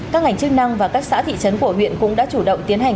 các ngành chức năng và các xã thị trấn của huyện cũng đã chủ động tiến hành